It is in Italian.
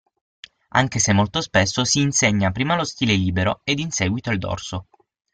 Anche se molto spesso si insegna prima lo stile libero ed in seguito il dorso.